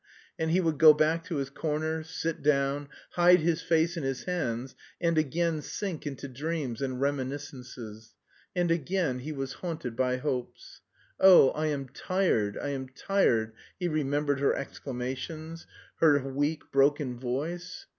And he would go back to his corner, sit down, hide his face in his hands and again sink into dreams and reminiscences... and again he was haunted by hopes. "Oh, I am tired, I am tired," he remembered her exclamations, her weak broken voice.